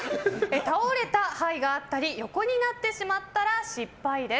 倒れた牌があったり横になってしまったら失敗です。